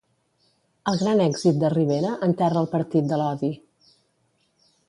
El gran èxit de Rivera enterra el partit de l'odi.